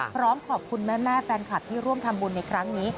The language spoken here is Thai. พร้อมขอบคุณแม่แฟนคลับที่ร่วมทำบุญในครั้งนี้